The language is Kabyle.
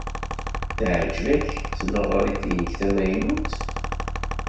Teɛjeb-ak tneɣrit-nnek tamaynut?